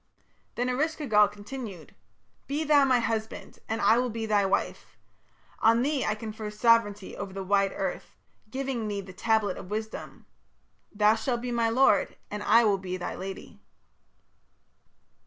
Then Eresh ki gal continued: "Be thou my husband and I will be thy wife. On thee I confer sovereignty over the wide earth, giving thee the tablet of wisdom. Thou shalt be my lord and I will be thy lady."